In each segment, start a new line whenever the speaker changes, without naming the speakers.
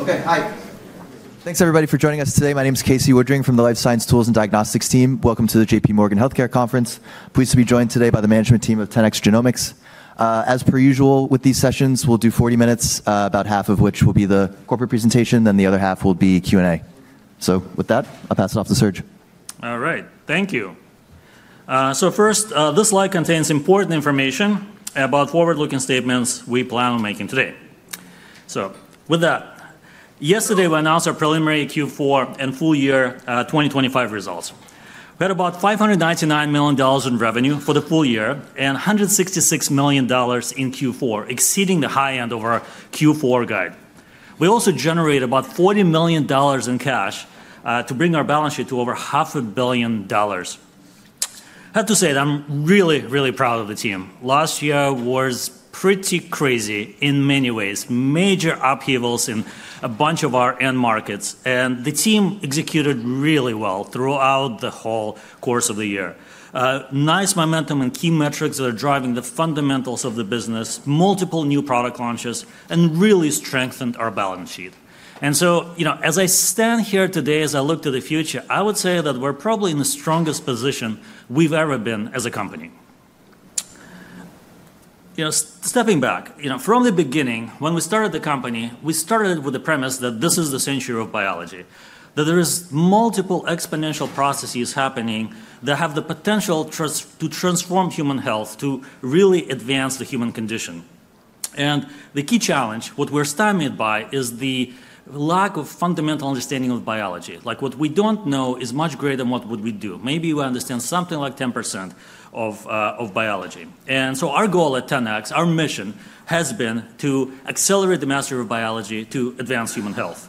Okay, hi.
Thanks, everybody, for joining us today. My name is Casey Woodring from the Life Science Tools and Diagnostics team. Welcome to the J.P. Morgan Healthcare Conference. Pleased to be joined today by the management team of 10x Genomics. As per usual, with these sessions, we'll do 40 minutes, about half of which will be the corporate presentation, then the other half will be Q&A. So with that, I'll pass it off to Serge.
All right, thank you. So first, this slide contains important information about forward-looking statements we plan on making today. So with that, yesterday we announced our preliminary Q4 and full year 2025 results. We had about $599 million in revenue for the full year and $166 million in Q4, exceeding the high end of our Q4 guide. We also generated about $40 million in cash to bring our balance sheet to over $500 million. I have to say that I'm really, really proud of the team. Last year was pretty crazy in many ways, major upheavals in a bunch of our end markets, and the team executed really well throughout the whole course of the year. Nice momentum and key metrics that are driving the fundamentals of the business, multiple new product launches, and really strengthened our balance sheet. So, you know, as I stand here today, as I look to the future, I would say that we're probably in the strongest position we've ever been as a company. You know, stepping back, you know, from the beginning, when we started the company, we started with the premise that this is the century of biology, that there are multiple exponential processes happening that have the potential to transform human health, to really advance the human condition. The key challenge, what we're stymied by, is the lack of fundamental understanding of biology. Like what we don't know is much greater than what we do. Maybe we understand something like 10% of biology. Our goal at 10x, our mission, has been to accelerate the mastery of biology to advance human health.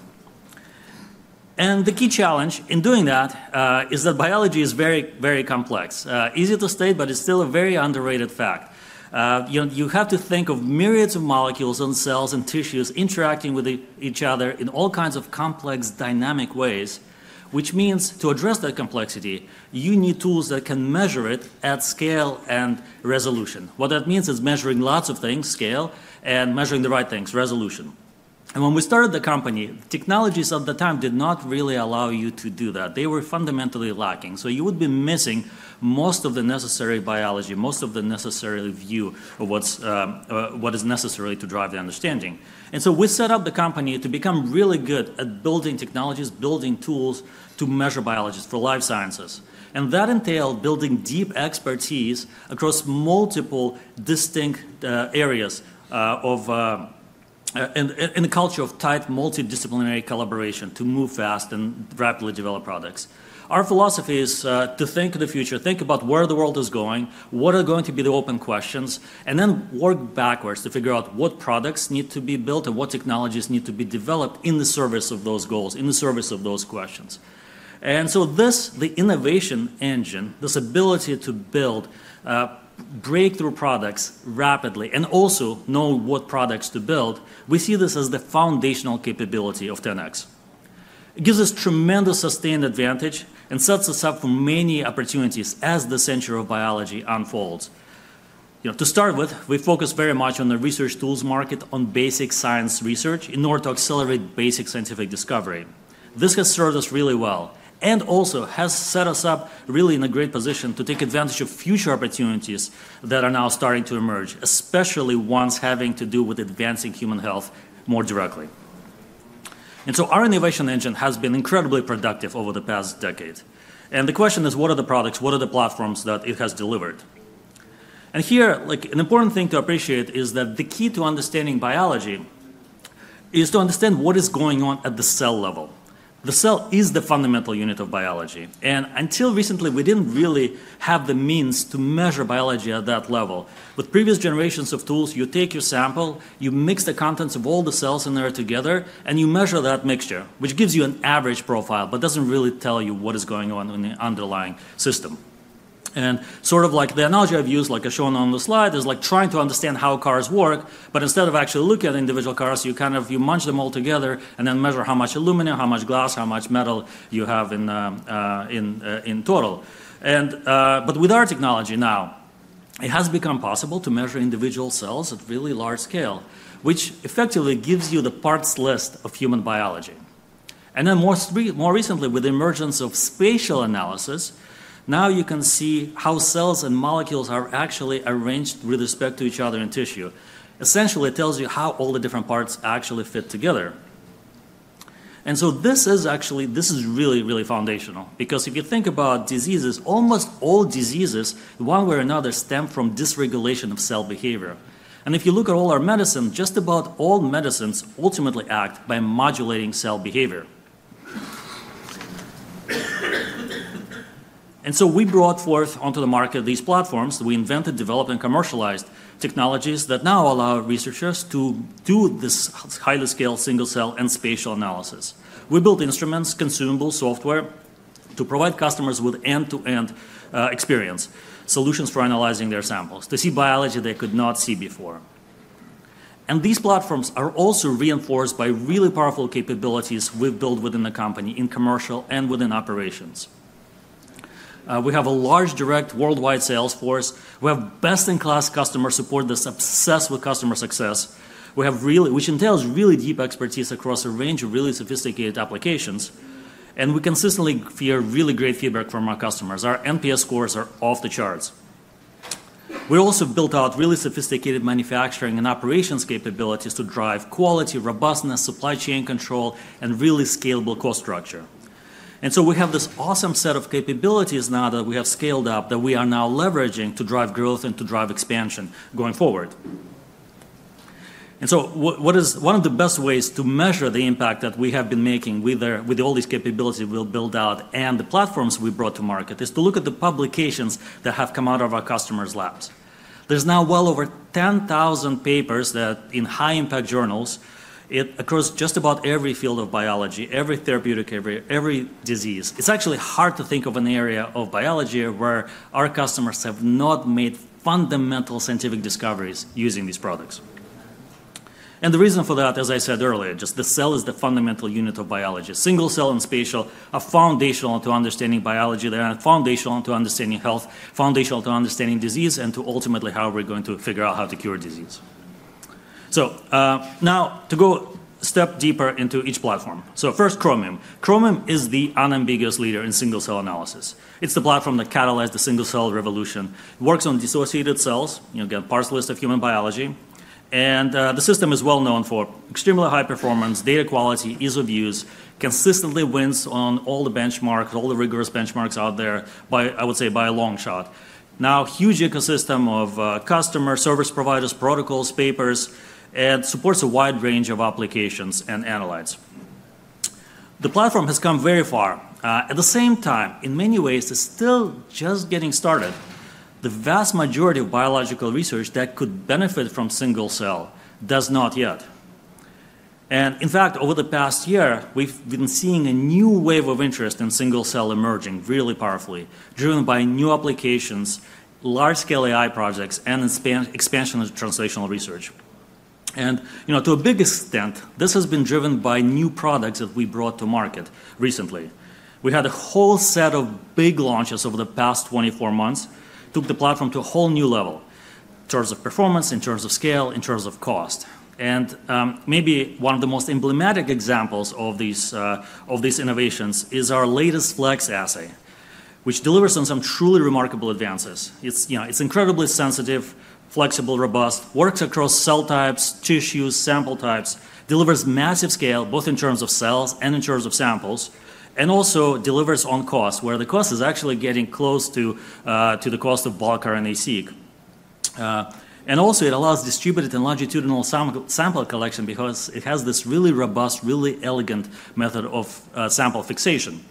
The key challenge in doing that is that biology is very, very complex. Easy to state, but it's still a very underrated fact. You have to think of myriads of molecules and cells and tissues interacting with each other in all kinds of complex, dynamic ways, which means to address that complexity, you need tools that can measure it at scale and resolution. What that means is measuring lots of things, scale, and measuring the right things, resolution. And when we started the company, technologies at the time did not really allow you to do that. They were fundamentally lacking. So you would be missing most of the necessary biology, most of the necessary view of what is necessary to drive the understanding. And so we set up the company to become really good at building technologies, building tools to measure biologists for life sciences. And that entailed building deep expertise across multiple distinct areas in a culture of tight multidisciplinary collaboration to move fast and rapidly develop products. Our philosophy is to think of the future, think about where the world is going, what are going to be the open questions, and then work backwards to figure out what products need to be built and what technologies need to be developed in the service of those goals, in the service of those questions. And so this, the innovation engine, this ability to build, break through products rapidly, and also know what products to build, we see this as the foundational capability of 10X. It gives us tremendous sustained advantage and sets us up for many opportunities as the century of biology unfolds. You know, to start with, we focus very much on the research tools market, on basic science research in order to accelerate basic scientific discovery. This has served us really well and also has set us up really in a great position to take advantage of future opportunities that are now starting to emerge, especially ones having to do with advancing human health more directly. And so our innovation engine has been incredibly productive over the past decade. And the question is, what are the products, what are the platforms that it has delivered? And here, like an important thing to appreciate is that the key to understanding biology is to understand what is going on at the cell level. The cell is the fundamental unit of biology. And until recently, we didn't really have the means to measure biology at that level. With previous generations of tools, you take your sample, you mix the contents of all the cells in there together, and you measure that mixture, which gives you an average profile, but doesn't really tell you what is going on in the underlying system. Sort of like the analogy I've used, like shown on the slide, is like trying to understand how cars work, but instead of actually looking at individual cars, you kind of, you mash them all together and then measure how much aluminum, how much glass, how much metal you have in total. But with our technology now, it has become possible to measure individual cells at really large scale, which effectively gives you the parts list of human biology. And then more recently, with the emergence of spatial analysis, now you can see how cells and molecules are actually arranged with respect to each other in tissue. Essentially, it tells you how all the different parts actually fit together. And so this is actually, this is really, really foundational because if you think about diseases, almost all diseases, one way or another, stem from dysregulation of cell behavior. And if you look at all our medicine, just about all medicines ultimately act by modulating cell behavior. And so we brought forth onto the market these platforms. We invented, developed, and commercialized technologies that now allow researchers to do this highly scaled single cell and spatial analysis. We built instruments, consumables, software to provide customers with end-to-end experience, solutions for analyzing their samples to see biology they could not see before. These platforms are also reinforced by really powerful capabilities we've built within the company in commercial and within operations. We have a large direct worldwide sales force. We have best-in-class customer support that's obsessed with customer success. We have really, which entails really deep expertise across a range of really sophisticated applications. We consistently hear really great feedback from our customers. Our NPS scores are off the charts. We also built out really sophisticated manufacturing and operations capabilities to drive quality, robustness, supply chain control, and really scalable cost structure. We have this awesome set of capabilities now that we have scaled up that we are now leveraging to drive growth and to drive expansion going forward. And so what is one of the best ways to measure the impact that we have been making with all these capabilities we've built out and the platforms we brought to market is to look at the publications that have come out of our customers' labs. There's now well over 10,000 papers that in high-impact journals across just about every field of biology, every therapeutic area, every disease. It's actually hard to think of an area of biology where our customers have not made fundamental scientific discoveries using these products. And the reason for that, as I said earlier, just the cell is the fundamental unit of biology. Single cell and spatial are foundational to understanding biology. They are foundational to understanding health, foundational to understanding disease, and to ultimately how we're going to figure out how to cure disease. So now to go a step deeper into each platform. So, first, Chromium. Chromium is the unambiguous leader in single cell analysis. It's the platform that catalyzed the single cell revolution. It works on dissociated cells, you know, again, parts list of human biology, and the system is well known for extremely high performance, data quality, ease of use, consistently wins on all the benchmarks, all the rigorous benchmarks out there by, I would say, by a long shot. Now, huge ecosystem of customer service providers, protocols, papers, and supports a wide range of applications and analytes. The platform has come very far. At the same time, in many ways, it's still just getting started. The vast majority of biological research that could benefit from single cell does not yet. And in fact, over the past year, we've been seeing a new wave of interest in single cell emerging really powerfully, driven by new applications, large-scale AI projects, and expansion of translational research. And you know, to a big extent, this has been driven by new products that we brought to market recently. We had a whole set of big launches over the past 24 months that took the platform to a whole new level in terms of performance, in terms of scale, in terms of cost. And maybe one of the most emblematic examples of these innovations is our latest Flex assay, which delivers on some truly remarkable advances. It's incredibly sensitive, flexible, robust, works across cell types, tissues, sample types, delivers massive scale, both in terms of cells and in terms of samples, and also delivers on cost, where the cost is actually getting close to the cost of bulk RNA-seq. And also, it allows distributed and longitudinal sample collection because it has this really robust, really elegant method of sample fixation.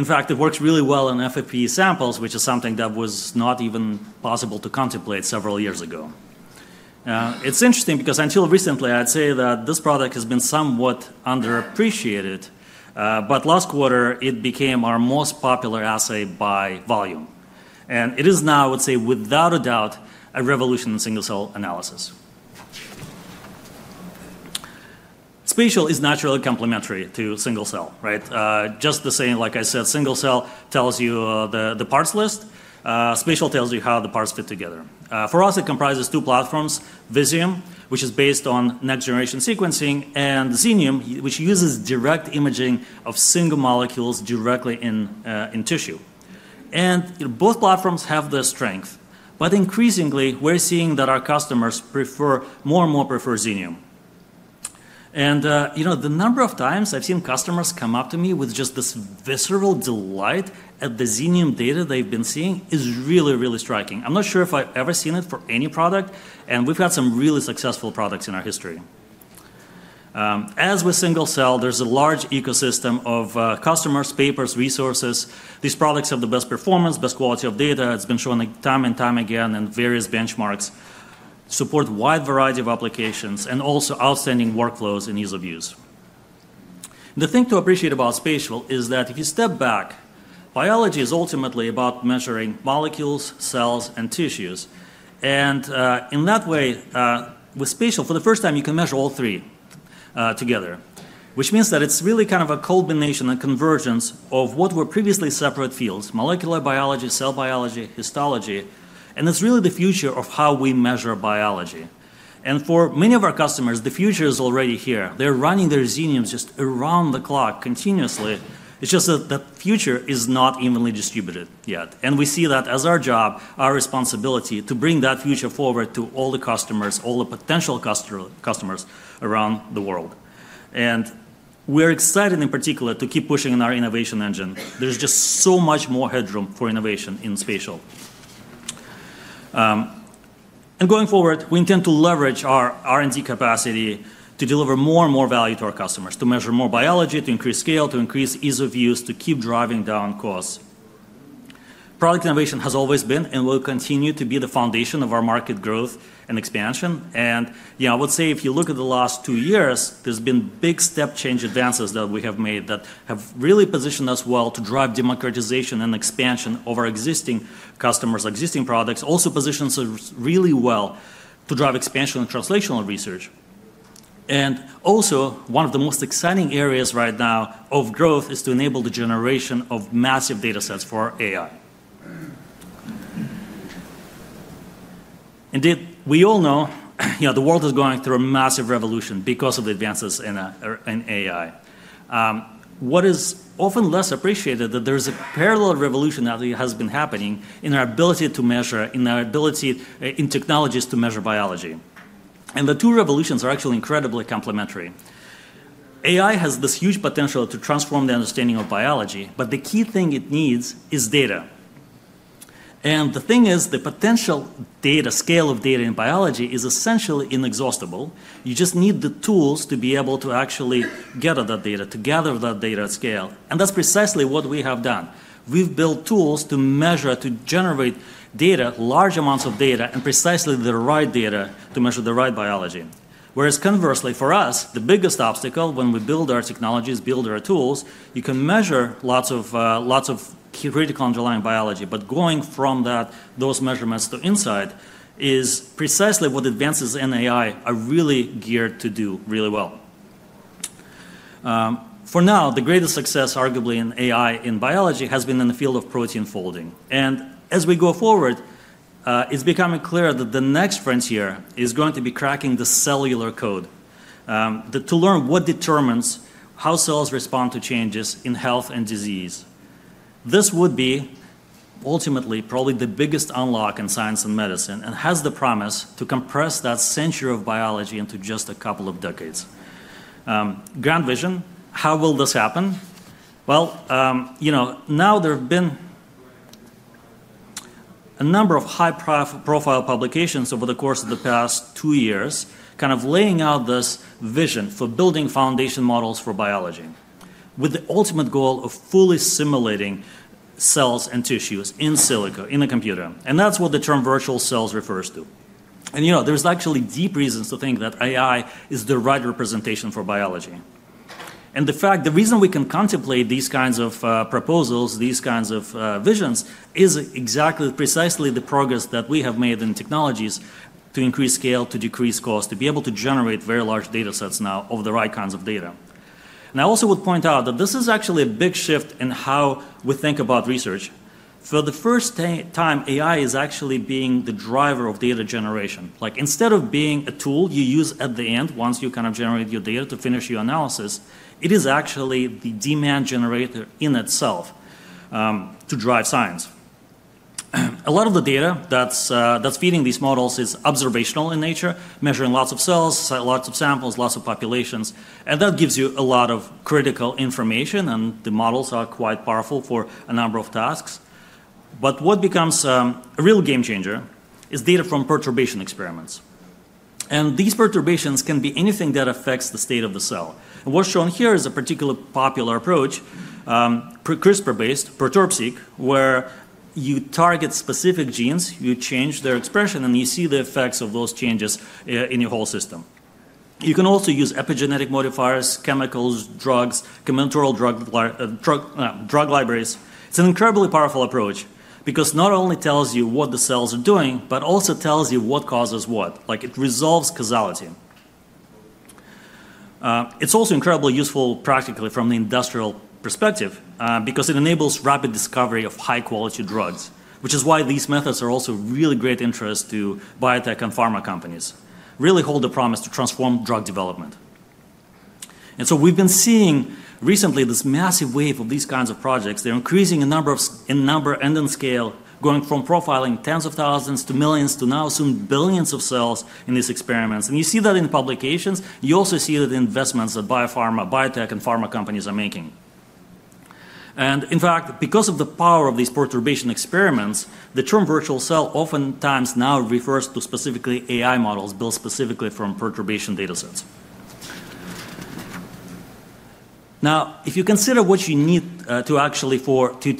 In fact, it works really well in FFPE samples, which is something that was not even possible to contemplate several years ago. It's interesting because until recently, I'd say that this product has been somewhat underappreciated, but last quarter, it became our most popular assay by volume. And it is now, I would say, without a doubt, a revolution in single cell analysis. Spatial is naturally complementary to single cell, right? Just the same, like I said, single cell tells you the parts list. Spatial tells you how the parts fit together. For us, it comprises two platforms: Visium, which is based on next-generation sequencing, and Xenium, which uses direct imaging of single molecules directly in tissue. And both platforms have the strength, but increasingly, we're seeing that our customers prefer more and more Xenium. And you know, the number of times I've seen customers come up to me with just this visceral delight at the Xenium data they've been seeing is really, really striking. I'm not sure if I've ever seen it for any product, and we've had some really successful products in our history. As with single cell, there's a large ecosystem of customers, papers, resources. These products have the best performance, best quality of data. It's been shown time and time again in various benchmarks, support a wide variety of applications, and also outstanding workflows and ease of use. The thing to appreciate about spatial is that if you step back, biology is ultimately about measuring molecules, cells, and tissues. And in that way, with spatial, for the first time, you can measure all three together, which means that it's really kind of a culmination and convergence of what were previously separate fields: molecular biology, cell biology, histology. And it's really the future of how we measure biology. And for many of our customers, the future is already here. They're running their Xeniums just around the clock continuously. It's just that the future is not evenly distributed yet. And we see that as our job, our responsibility to bring that future forward to all the customers, all the potential customers around the world. And we're excited in particular to keep pushing in our innovation engine. There's just so much more headroom for innovation in spatial. And going forward, we intend to leverage our R&D capacity to deliver more and more value to our customers, to measure more biology, to increase scale, to increase ease of use, to keep driving down costs. Product innovation has always been and will continue to be the foundation of our market growth and expansion. And yeah, I would say if you look at the last two years, there's been big step change advances that we have made that have really positioned us well to drive democratization and expansion of our existing customers, existing products. Also positions us really well to drive expansion and translational research. And also, one of the most exciting areas right now of growth is to enable the generation of massive data sets for AI. Indeed, we all know, you know, the world is going through a massive revolution because of the advances in AI. What is often less appreciated is that there is a parallel revolution that has been happening in our ability to measure, in our ability in technologies to measure biology. And the two revolutions are actually incredibly complementary. AI has this huge potential to transform the understanding of biology, but the key thing it needs is data. And the thing is, the potential data, scale of data in biology is essentially inexhaustible. You just need the tools to be able to actually get at that data, to gather that data at scale. And that's precisely what we have done. We've built tools to measure, to generate data, large amounts of data, and precisely the right data to measure the right biology. Whereas conversely, for us, the biggest obstacle when we build our technologies, build our tools, you can measure lots of critical underlying biology. But going from those measurements to insight is precisely what advances in AI are really geared to do really well. For now, the greatest success, arguably, in AI in biology has been in the field of protein folding. And as we go forward, it's becoming clear that the next frontier is going to be cracking the cellular code to learn what determines how cells respond to changes in health and disease. This would be ultimately probably the biggest unlock in science and medicine and has the promise to compress that century of biology into just a couple of decades. Grand vision. How will this happen? You know, now there have been a number of high-profile publications over the course of the past two years kind of laying out this vision for building foundation models for biology with the ultimate goal of fully simulating cells and tissues in silico, in a computer, and that's what the term virtual cells refers to, and you know, there's actually deep reasons to think that AI is the right representation for biology, and the fact, the reason we can contemplate these kinds of proposals, these kinds of visions, is exactly precisely the progress that we have made in technologies to increase scale, to decrease cost, to be able to generate very large data sets now of the right kinds of data, and I also would point out that this is actually a big shift in how we think about research. For the first time, AI is actually being the driver of data generation. Like instead of being a tool you use at the end, once you kind of generate your data to finish your analysis, it is actually the demand generator in itself to drive science. A lot of the data that's feeding these models is observational in nature, measuring lots of cells, lots of samples, lots of populations. And that gives you a lot of critical information, and the models are quite powerful for a number of tasks. But what becomes a real game changer is data from perturbation experiments. And these perturbations can be anything that affects the state of the cell. And what's shown here is a particularly popular approach, CRISPR-based, Perturb-seq, where you target specific genes, you change their expression, and you see the effects of those changes in your whole system. You can also use epigenetic modifiers, chemicals, drugs, combinatorial drug libraries. It's an incredibly powerful approach because it not only tells you what the cells are doing, but also tells you what causes what. Like it resolves causality. It's also incredibly useful practically from the industrial perspective because it enables rapid discovery of high-quality drugs, which is why these methods are also of really great interest to biotech and pharma companies, really hold the promise to transform drug development. And so we've been seeing recently this massive wave of these kinds of projects. They're increasing in number and in scale, going from profiling tens of thousands to millions to now soon billions of cells in these experiments. And you see that in publications. You also see that the investments that biopharma, biotech, and pharma companies are making. And in fact, because of the power of these perturbation experiments, the term virtual cell oftentimes now refers to specifically AI models built specifically from perturbation data sets. Now, if you consider what you need to actually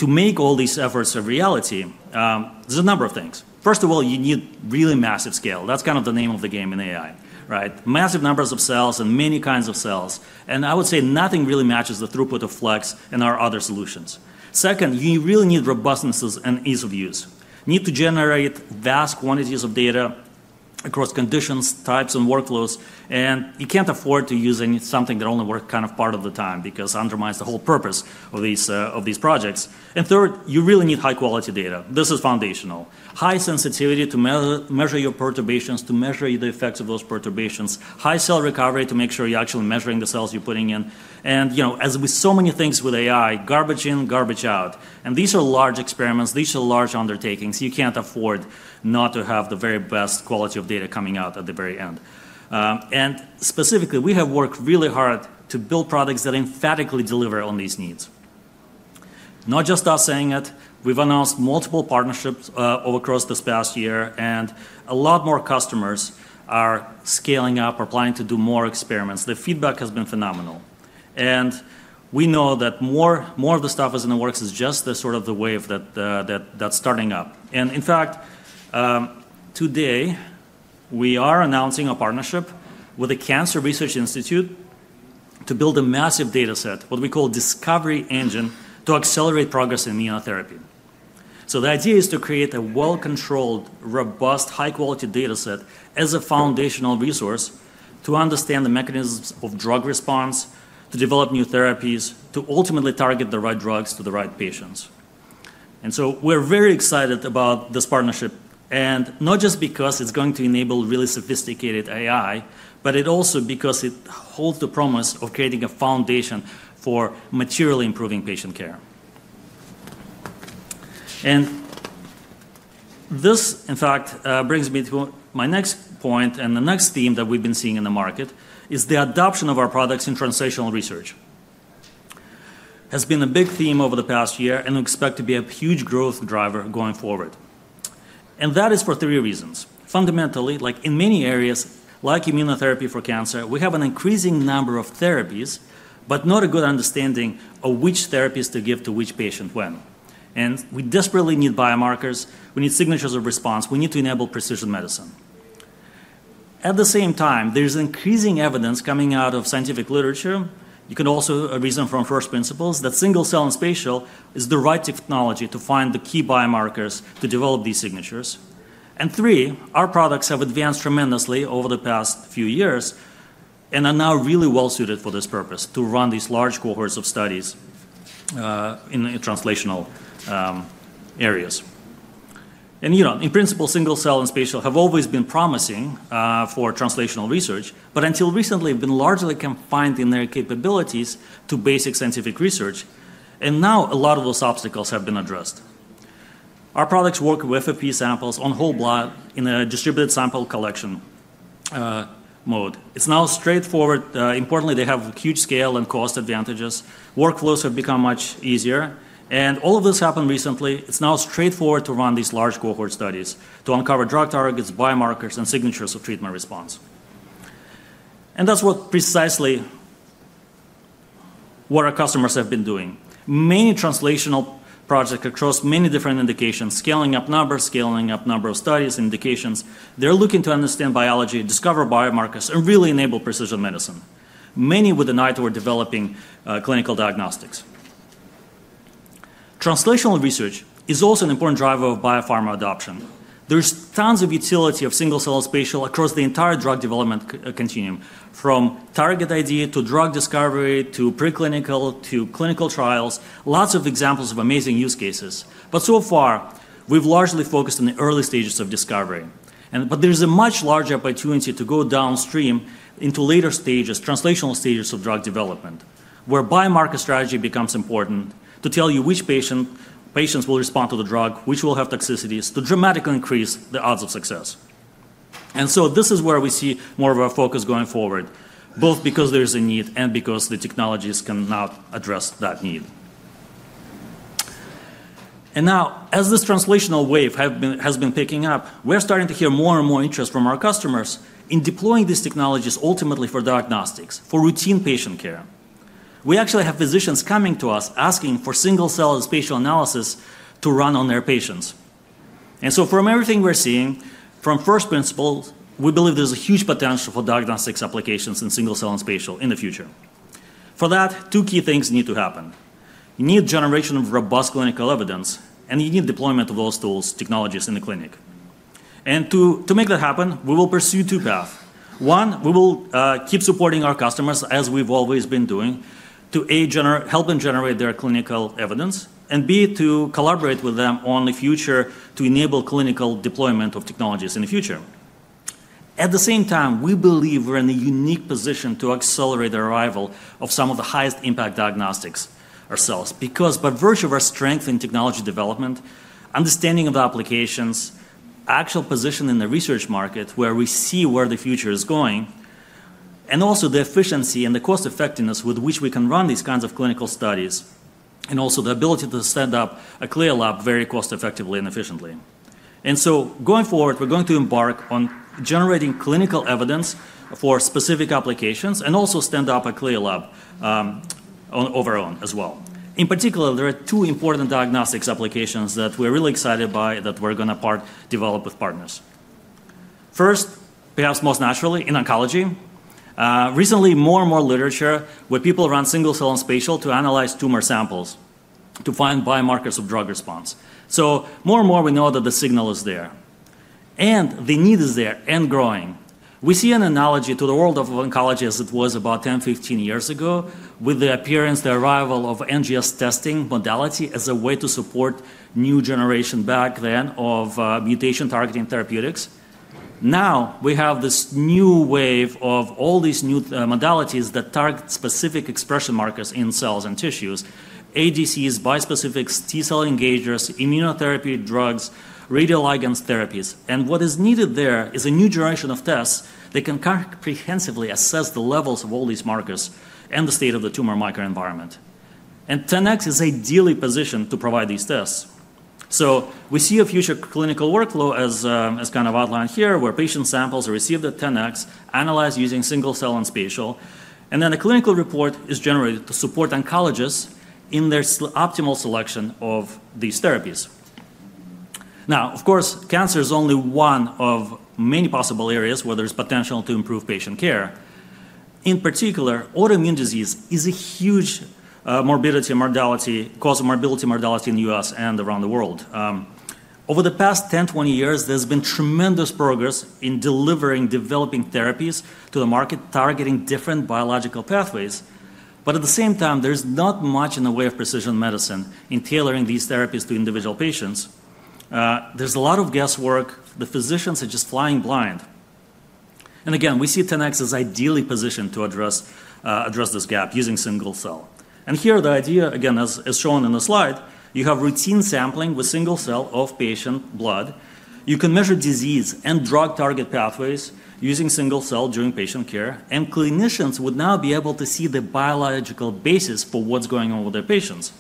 make all these efforts a reality, there's a number of things. First of all, you need really massive scale. That's kind of the name of the game in AI, right? Massive numbers of cells and many kinds of cells. And I would say nothing really matches the throughput of Flex and our other solutions. Second, you really need robustness and ease of use. You need to generate vast quantities of data across conditions, types, and workloads. And you can't afford to use something that only works kind of part of the time because it undermines the whole purpose of these projects. And third, you really need high-quality data. This is foundational. High sensitivity to measure your perturbations, to measure the effects of those perturbations. High cell recovery to make sure you're actually measuring the cells you're putting in. And you know, as with so many things with AI, garbage in, garbage out. And these are large experiments. These are large undertakings. You can't afford not to have the very best quality of data coming out at the very end. And specifically, we have worked really hard to build products that emphatically deliver on these needs. Not just us saying it. We've announced multiple partnerships across this past year, and a lot more customers are scaling up, applying to do more experiments. The feedback has been phenomenal. And we know that more of the stuff is in the works is just sort of the wave that's starting up. And in fact, today, we are announcing a partnership with the Cancer Research Institute to build a massive data set, what we call Discovery Engine, to accelerate progress in immunotherapy. So the idea is to create a well-controlled, robust, high-quality data set as a foundational resource to understand the mechanisms of drug response, to develop new therapies, to ultimately target the right drugs to the right patients. And so we're very excited about this partnership, and not just because it's going to enable really sophisticated AI, but also because it holds the promise of creating a foundation for materially improving patient care. And this, in fact, brings me to my next point and the next theme that we've been seeing in the market is the adoption of our products in translational research. It has been a big theme over the past year and we expect to be a huge growth driver going forward, and that is for three reasons. Fundamentally, like in many areas like immunotherapy for cancer, we have an increasing number of therapies, but not a good understanding of which therapies to give to which patient when, and we desperately need biomarkers. We need signatures of response. We need to enable precision medicine. At the same time, there's increasing evidence coming out of scientific literature. You can also reason from first principles that single cell and spatial is the right technology to find the key biomarkers to develop these signatures, and three, our products have advanced tremendously over the past few years and are now really well suited for this purpose to run these large cohorts of studies in translational areas. And you know, in principle, single cell and spatial have always been promising for translational research, but until recently, they've been largely confined in their capabilities to basic scientific research. And now a lot of those obstacles have been addressed. Our products work with FFPE samples on whole blood in a distributed sample collection mode. It's now straightforward. Importantly, they have huge scale and cost advantages. Workflows have become much easier. And all of this happened recently. It's now straightforward to run these large cohort studies to uncover drug targets, biomarkers, and signatures of treatment response. And that's precisely what our customers have been doing. Many translational projects across many different indications, scaling up numbers, scaling up number of studies, indications. They're looking to understand biology, discover biomarkers, and really enable precision medicine. Many with an eye toward developing clinical diagnostics. Translational research is also an important driver of biopharma adoption. There's tons of utility of single cell and spatial across the entire drug development continuum, from target idea to drug discovery to preclinical to clinical trials. Lots of examples of amazing use cases, but so far, we've largely focused on the early stages of discovery, but there's a much larger opportunity to go downstream into later stages, translational stages of drug development, where biomarker strategy becomes important to tell you which patients will respond to the drug, which will have toxicities to dramatically increase the odds of success, and so this is where we see more of a focus going forward, both because there's a need and because the technologies can now address that need. Now, as this translational wave has been picking up, we're starting to hear more and more interest from our customers in deploying these technologies ultimately for diagnostics, for routine patient care. We actually have physicians coming to us asking for single cell and spatial analysis to run on their patients. So from everything we're seeing, from first principles, we believe there's a huge potential for diagnostics applications in single cell and spatial in the future. For that, two key things need to happen. You need generation of robust clinical evidence, and you need deployment of those tools, technologies in the clinic. To make that happen, we will pursue two paths. One, we will keep supporting our customers as we've always been doing to help them generate their clinical evidence, and B, to collaborate with them on the future to enable clinical deployment of technologies in the future. At the same time, we believe we're in a unique position to accelerate the arrival of some of the highest impact diagnostics ourselves because by virtue of our strength in technology development, understanding of the applications, actual position in the research market where we see where the future is going, and also the efficiency and the cost-effectiveness with which we can run these kinds of clinical studies, and also the ability to stand up a CLIA lab very cost-effectively and efficiently. And so going forward, we're going to embark on generating clinical evidence for specific applications and also stand up a CLIA lab of our own as well. In particular, there are two important diagnostics applications that we're really excited by that we're going to develop with partners. First, perhaps most naturally, in oncology. Recently, more and more literature where people run single cell and spatial to analyze tumor samples to find biomarkers of drug response. So more and more we know that the signal is there, and the need is there and growing. We see an analogy to the world of oncology as it was about 10, 15 years ago with the appearance, the arrival of NGS testing modality as a way to support new generation back then of mutation-targeting therapeutics. Now we have this new wave of all these new modalities that target specific expression markers in cells and tissues: ADCs, bispecifics, T-cell engagers, immunotherapy drugs, radioligand therapies. And what is needed there is a new generation of tests that can comprehensively assess the levels of all these markers and the state of the tumor microenvironment. And 10x is ideally positioned to provide these tests. So we see a future clinical workflow as kind of outlined here where patient samples are received at 10x, analyzed using single cell and spatial, and then a clinical report is generated to support oncologists in their optimal selection of these therapies. Now, of course, cancer is only one of many possible areas where there's potential to improve patient care. In particular, autoimmune disease is a huge cause of morbidity and mortality in the U.S. and around the world. Over the past 10, 20 years, there's been tremendous progress in delivering, developing therapies to the market targeting different biological pathways. But at the same time, there's not much in the way of precision medicine in tailoring these therapies to individual patients. There's a lot of guesswork. The physicians are just flying blind. And again, we see 10x is ideally positioned to address this gap using single cell. And here the idea, again, as shown in the slide, you have routine sampling with single cell of patient blood. You can measure disease and drug target pathways using single cell during patient care, and clinicians would now be able to see the biological basis for what's going on with their patients.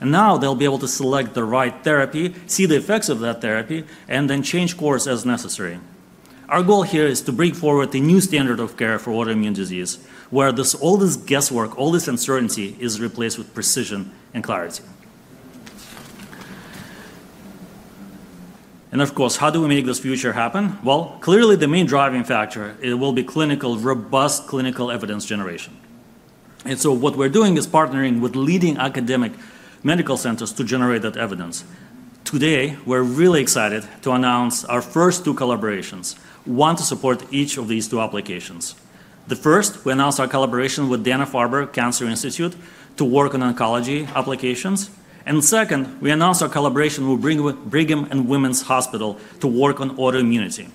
And now they'll be able to select the right therapy, see the effects of that therapy, and then change course as necessary. Our goal here is to bring forward a new standard of care for autoimmune disease where all this guesswork, all this uncertainty is replaced with precision and clarity. And of course, how do we make this future happen? Well, clearly the main driving factor will be clinical, robust clinical evidence generation. And so what we're doing is partnering with leading academic medical centers to generate that evidence. Today, we're really excited to announce our first two collaborations, one to support each of these two applications. The first, we announced our collaboration with Dana-Farber Cancer Institute to work on oncology applications, and second, we announced our collaboration with Brigham and Women's Hospital to work on autoimmunity.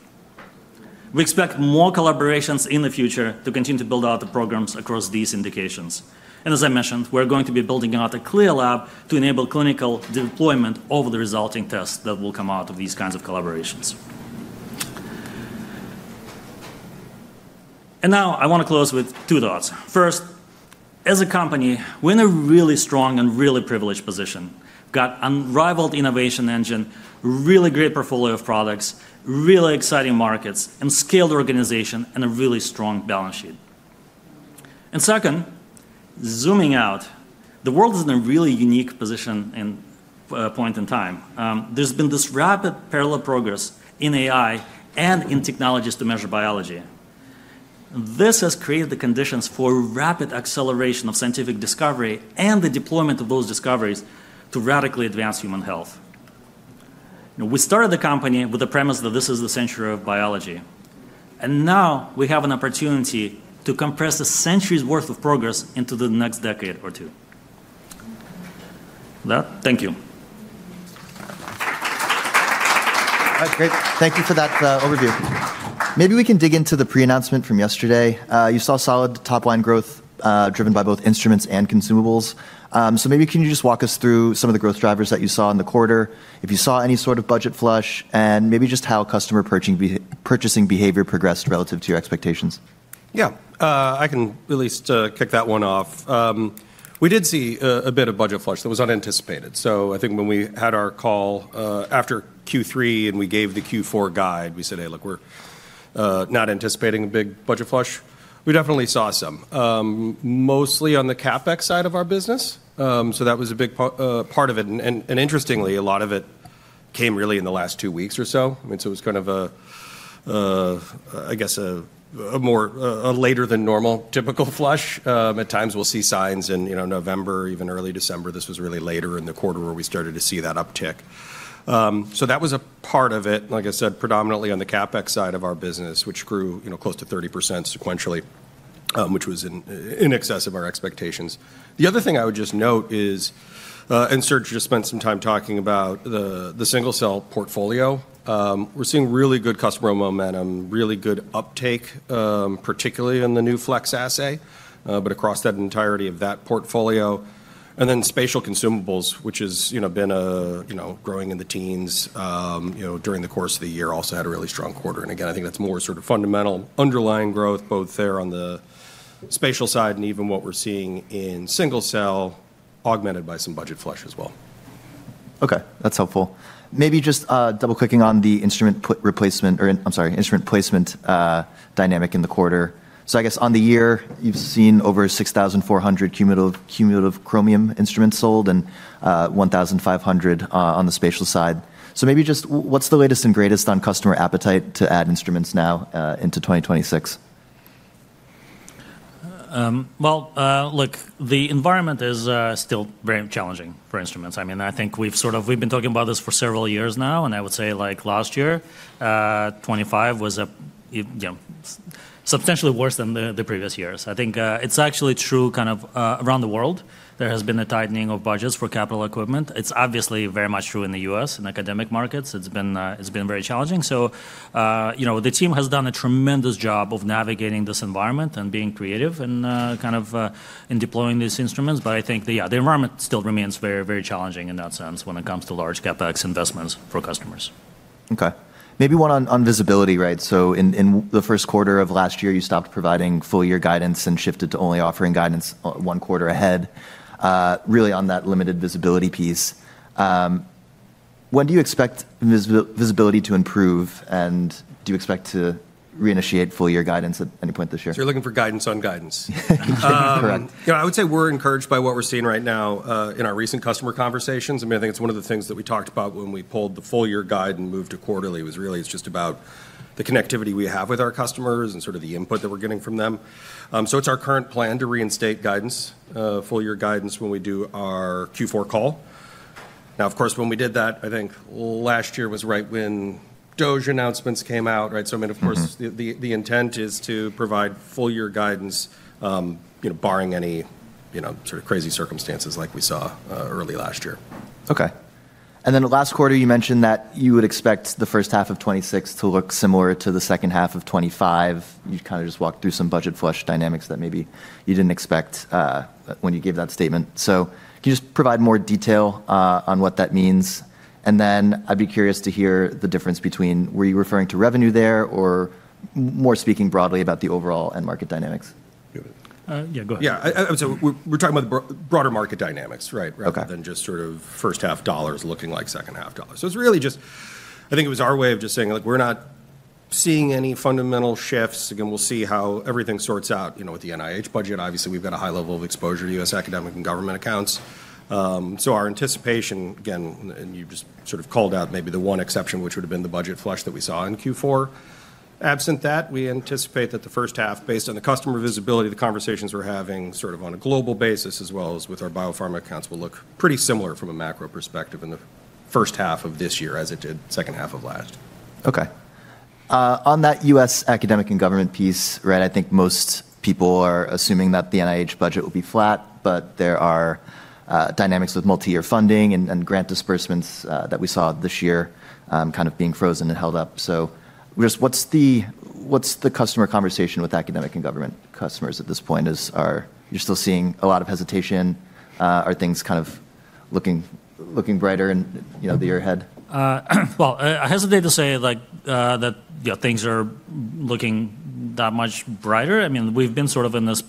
We expect more collaborations in the future to continue to build out the programs across these indications. As I mentioned, we're going to be building out a CLIA lab to enable clinical deployment of the resulting tests that will come out of these kinds of collaborations. Now I want to close with two thoughts. First, as a company, we're in a really strong and really privileged position. We've got unrivaled innovation engine, really great portfolio of products, really exciting markets, and scaled organization and a really strong balance sheet. And second, zooming out, the world is in a really unique position and point in time. There's been this rapid parallel progress in AI and in technologies to measure biology. This has created the conditions for rapid acceleration of scientific discovery and the deployment of those discoveries to radically advance human health. We started the company with the premise that this is the century of biology. And now we have an opportunity to compress the centuries' worth of progress into the next decade or two. Thank you.
All right, great. Thank you for that overview. Maybe we can dig into the pre-announcement from yesterday. You saw solid top-line growth driven by both instruments and consumables. So maybe can you just walk us through some of the growth drivers that you saw in the quarter, if you saw any sort of budget flush, and maybe just how customer purchasing behavior progressed relative to your expectations?
Yeah, I can at least kick that one off. We did see a bit of budget flush that was unanticipated. So I think when we had our call after Q3 and we gave the Q4 guide, we said, "Hey, look, we're not anticipating a big budget flush." We definitely saw some, mostly on the CapEx side of our business. So that was a big part of it. And interestingly, a lot of it came really in the last two weeks or so. I mean, so it was kind of, I guess, a later-than-normal typical flush. At times, we'll see signs in November, even early December. This was really later in the quarter where we started to see that uptick. So that was a part of it, like I said, predominantly on the CapEx side of our business, which grew close to 30% sequentially, which was in excess of our expectations. The other thing I would just note is, and Serge just spent some time talking about the single cell portfolio, we're seeing really good customer momentum, really good uptake, particularly in the new Flex assay, but across that entirety of that portfolio. And then spatial consumables, which has been growing in the teens during the course of the year, also had a really strong quarter. And again, I think that's more sort of fundamental underlying growth, both there on the spatial side and even what we're seeing in single cell, augmented by some budget flush as well.
Okay, that's helpful. Maybe just double-clicking on the instrument replacement, or I'm sorry, instrument placement dynamic in the quarter. So I guess on the year, you've seen over 6,400 cumulative Chromium instruments sold and 1,500 on the spatial side. So maybe just what's the latest and greatest on customer appetite to add instruments now into 2026?
Look, the environment is still very challenging for instruments. I mean, I think we've sort of been talking about this for several years now, and I would say like last year, 2025 was substantially worse than the previous years. I think it's actually true kind of around the world. There has been a tightening of budgets for capital equipment. It's obviously very much true in the U.S. and academic markets. It's been very challenging. So the team has done a tremendous job of navigating this environment and being creative in kind of deploying these instruments. But I think the environment still remains very, very challenging in that sense when it comes to large CapEx investments for customers.
Okay. Maybe one on visibility, right? So in the first quarter of last year, you stopped providing full-year guidance and shifted to only offering guidance one quarter ahead, really on that limited visibility piece. When do you expect visibility to improve, and do you expect to reinitiate full-year guidance at any point this year?
So you're looking for guidance on guidance.
Correct.
I would say we're encouraged by what we're seeing right now in our recent customer conversations. I mean, I think it's one of the things that we talked about when we pulled the full-year guide and moved to quarterly. It was really just about the connectivity we have with our customers and sort of the input that we're getting from them. So it's our current plan to reinstate guidance, full-year guidance when we do our Q4 call. Now, of course, when we did that, I think last year was right when DOGE announcements came out, right? So I mean, of course, the intent is to provide full-year guidance, barring any sort of crazy circumstances like we saw early last year.
Okay. And then last quarter, you mentioned that you would expect the first half of 2026 to look similar to the second half of 2025. You kind of just walked through some budget flush dynamics that maybe you didn't expect when you gave that statement. So can you just provide more detail on what that means? And then I'd be curious to hear the difference between, were you referring to revenue there or more speaking broadly about the overall end market dynamics?
Yeah, go ahead. Yeah, I would say we're talking about the broader market dynamics, right, rather than just sort of first-half dollars looking like second-half dollars. So it's really just, I think it was our way of just saying, "Look, we're not seeing any fundamental shifts." Again, we'll see how everything sorts out with the NIH budget. Obviously, we've got a high level of exposure to U.S. academic and government accounts. So our anticipation, again, and you just sort of called out maybe the one exception, which would have been the budget flush that we saw in Q4. Absent that, we anticipate that the first half, based on the customer visibility, the conversations we're having sort of on a global basis as well as with our biopharma accounts will look pretty similar from a macro perspective in the first half of this year as it did second half of last.
Okay. On that U.S. academic and government piece, right, I think most people are assuming that the NIH budget will be flat, but there are dynamics with multi-year funding and grant disbursements that we saw this year kind of being frozen and held up. So just what's the customer conversation with academic and government customers at this point? Are you still seeing a lot of hesitation? Are things kind of looking brighter in the year ahead?
I hesitate to say that things are looking that much brighter. I mean, we've been sort of in this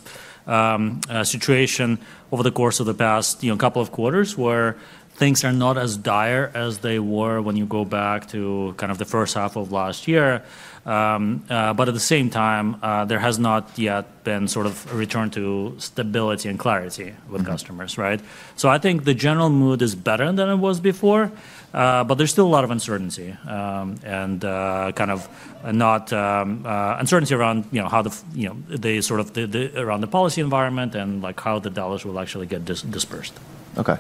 situation over the course of the past couple of quarters where things are not as dire as they were when you go back to kind of the first half of last year. But at the same time, there has not yet been sort of a return to stability and clarity with customers, right? So I think the general mood is better than it was before, but there's still a lot of uncertainty and kind of uncertainty around how the sort of policy environment and how the dollars will actually get dispersed.
Okay.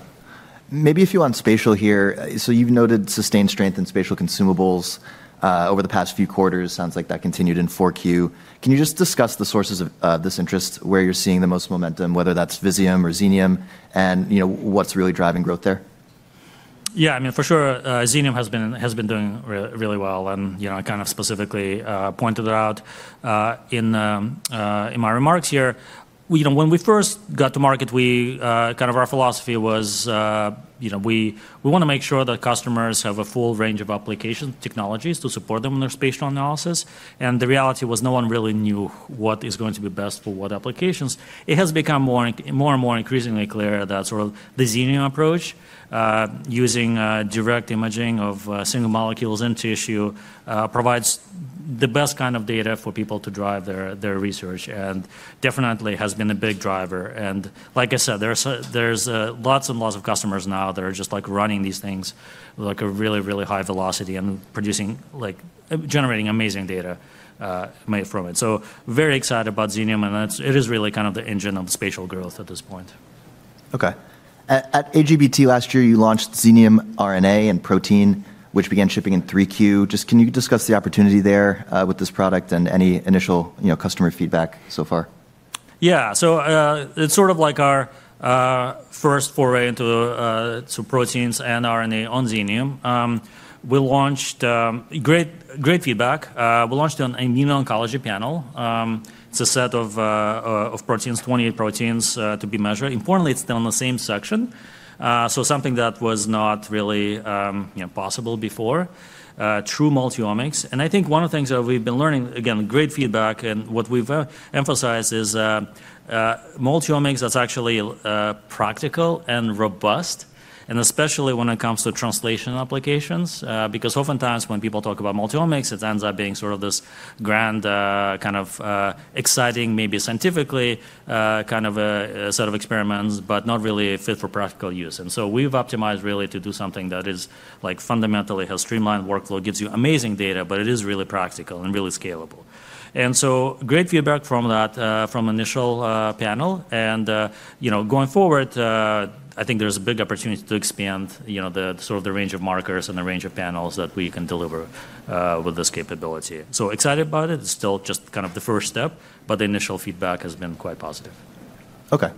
Maybe a few on spatial here. So you've noted sustained strength in spatial consumables over the past few quarters. Sounds like that continued in 4Q. Can you just discuss the sources of this interest where you're seeing the most momentum, whether that's Visium or Xenium, and what's really driving growth there?
Yeah, I mean, for sure, Xenium has been doing really well. And I kind of specifically pointed it out in my remarks here. When we first got to market, kind of our philosophy was we want to make sure that customers have a full range of application technologies to support them in their spatial analysis. And the reality was no one really knew what is going to be best for what applications. It has become more and more increasingly clear that sort of the Xenium approach using direct imaging of single molecules and tissue provides the best kind of data for people to drive their research and definitely has been a big driver. And like I said, there's lots and lots of customers now that are just running these things at a really, really high velocity and generating amazing data made from it. So very excited about Xenium, and it is really kind of the engine of spatial growth at this point.
Okay. At AGBT last year, you launched Xenium RNA and protein, which began shipping in 3Q. Just can you discuss the opportunity there with this product and any initial customer feedback so far?
Yeah, so it's sort of like our first foray into proteins and RNA on Xenium. We launched. Great feedback. We launched an immuno-oncology panel. It's a set of proteins, 28 proteins to be measured. Importantly, it's still in the same section, so something that was not really possible before, true multi-omics, and I think one of the things that we've been learning, again, great feedback, and what we've emphasized is multi-omics that's actually practical and robust, and especially when it comes to translation applications, because oftentimes when people talk about multi-omics, it ends up being sort of this grand kind of exciting, maybe scientifically kind of a set of experiments, but not really fit for practical use, so we've optimized really to do something that is fundamentally has streamlined workflow, gives you amazing data, but it is really practical and really scalable. And so great feedback from that initial panel. And going forward, I think there's a big opportunity to expand sort of the range of markers and the range of panels that we can deliver with this capability. So excited about it. It's still just kind of the first step, but the initial feedback has been quite positive.
Okay.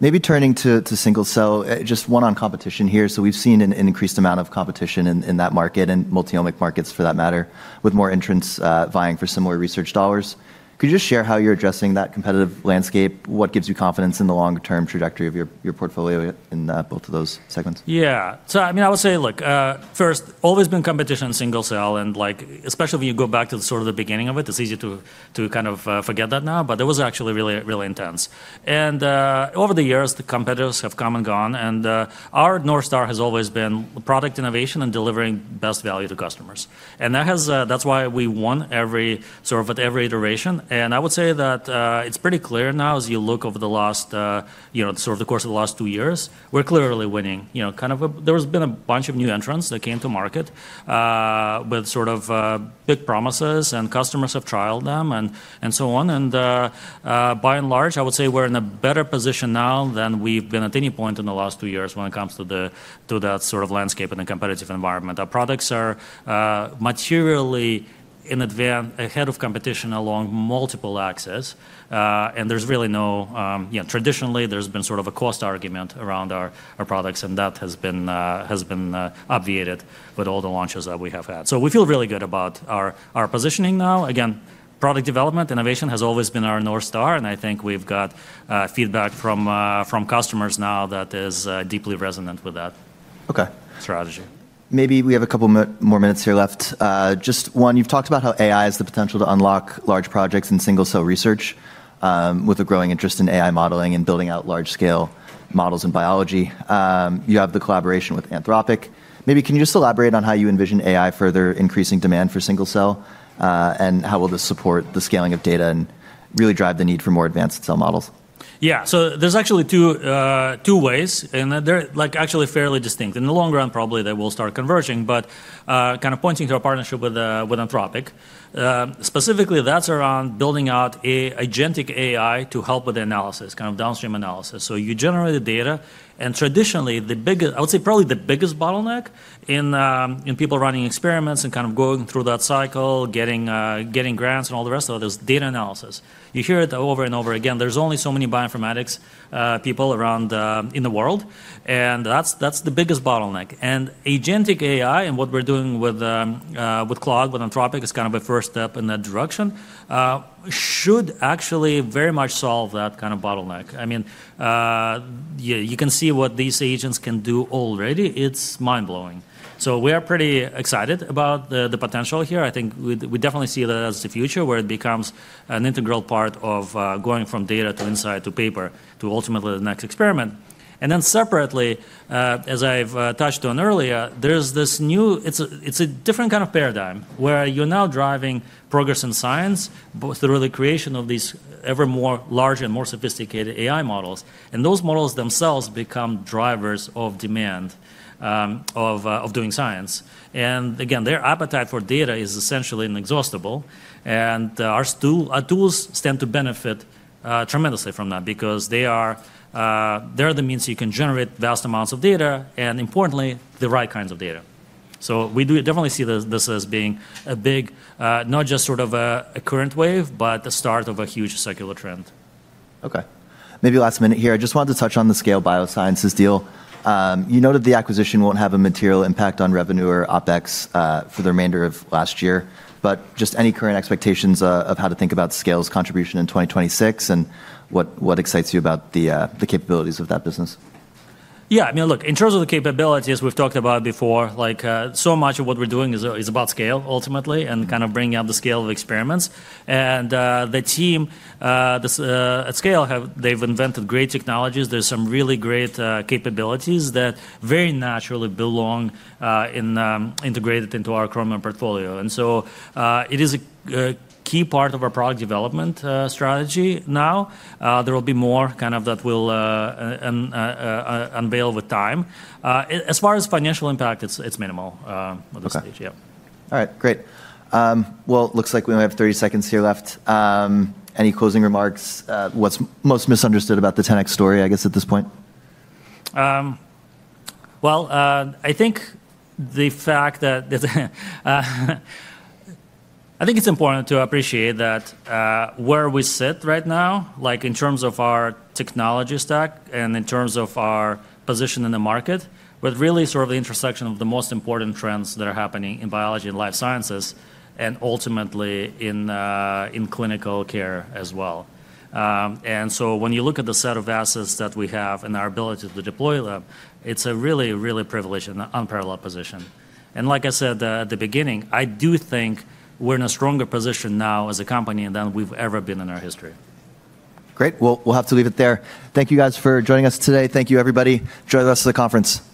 Maybe turning to single-cell, just one on competition here. So we've seen an increased amount of competition in that market and multi-omics markets for that matter, with more entrants vying for similar research dollars. Could you just share how you're addressing that competitive landscape? What gives you confidence in the long-term trajectory of your portfolio in both of those segments?
Yeah, so I mean, I would say, look, first, always been competition in single cell, and especially when you go back to sort of the beginning of it, it's easy to kind of forget that now, but it was actually really, really intense, and over the years, the competitors have come and gone, and our North Star has always been product innovation and delivering best value to customers, and that's why we won sort of at every iteration, and I would say that it's pretty clear now as you look over the last sort of the course of the last two years, we're clearly winning. Kind of there has been a bunch of new entrants that came to market with sort of big promises, and customers have trialed them and so on. And by and large, I would say we're in a better position now than we've been at any point in the last two years when it comes to that sort of landscape in a competitive environment. Our products are materially ahead of competition along multiple axes, and there's really no, traditionally, there's been sort of a cost argument around our products, and that has been obviated with all the launches that we have had. So we feel really good about our positioning now. Again, product development innovation has always been our North Star, and I think we've got feedback from customers now that is deeply resonant with that strategy.
Okay. Maybe we have a couple more minutes here left. Just one, you've talked about how AI has the potential to unlock large projects in single cell research with a growing interest in AI modeling and building out large-scale models in biology. You have the collaboration with Anthropic. Maybe can you just elaborate on how you envision AI further increasing demand for single cell and how will this support the scaling of data and really drive the need for more advanced cell models?
Yeah, so there's actually two ways, and they're actually fairly distinct. In the long run, probably they will start converging, but kind of pointing to our partnership with Anthropic, specifically that's around building out an agentic AI to help with analysis, kind of downstream analysis. So you generate the data, and traditionally, I would say probably the biggest bottleneck in people running experiments and kind of going through that cycle, getting grants and all the rest of it is data analysis. You hear it over and over again. There's only so many bioinformatics people around in the world, and that's the biggest bottleneck. And agentic AI and what we're doing with Claude, with Anthropic, is kind of a first step in that direction, should actually very much solve that kind of bottleneck. I mean, you can see what these agents can do already. It's mind-blowing. So we are pretty excited about the potential here. I think we definitely see that as the future where it becomes an integral part of going from data to insight to paper to ultimately the next experiment. And then separately, as I've touched on earlier, there's this new, it's a different kind of paradigm where you're now driving progress in science through the creation of these ever more large and more sophisticated AI models. And those models themselves become drivers of demand of doing science. And again, their appetite for data is essentially inexhaustible. And our tools tend to benefit tremendously from that because they're the means you can generate vast amounts of data and, importantly, the right kinds of data. So we definitely see this as being a big, not just sort of a current wave, but the start of a huge secular trend.
Okay. Maybe last minute here. I just wanted to touch on the Scale Biosciences deal. You noted the acquisition won't have a material impact on revenue or OPEX for the remainder of last year, but just any current expectations of how to think about Scale's contribution in 2026 and what excites you about the capabilities of that business?
Yeah, I mean, look, in terms of the capabilities we've talked about before, so much of what we're doing is about scale, ultimately, and kind of bringing out the scale of experiments. And the team at Scale, they've invented great technologies. There's some really great capabilities that very naturally belong and integrated into our Chromium portfolio. And so it is a key part of our product development strategy now. There will be more kind of that will unveil with time. As far as financial impact, it's minimal at this stage, yeah.
Okay. All right, great. It looks like we only have 30 seconds here left. Any closing remarks? What's most misunderstood about the 10x story, I guess, at this point?
I think the fact that it's important to appreciate that where we sit right now, in terms of our technology stack and in terms of our position in the market, but really sort of the intersection of the most important trends that are happening in biology and life sciences and ultimately in clinical care as well. When you look at the set of assets that we have and our ability to deploy them, it's a really, really privileged and unparalleled position. Like I said at the beginning, I do think we're in a stronger position now as a company than we've ever been in our history.
Great. Well, we'll have to leave it there. Thank you guys for joining us today. Thank you, everybody. Join us for the conference.